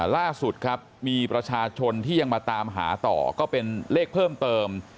ล่าสุดครับมีประชาชนที่ยังมาตามหาต่อก็เป็นเลขเพิ่มเติม